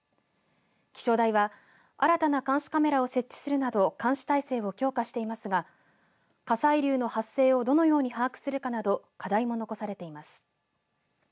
気象台は、新たな監視カメラを設置するなど監視体制を強化していますが火砕流の発生をどのように把握するかなど課題も残されています。